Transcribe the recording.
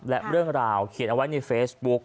และเรื่องราวเขียนเอาไว้ในเฟซบุ๊ก